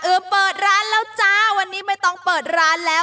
เปิดร้านแล้วจ้าวันนี้ไม่ต้องเปิดร้านแล้ว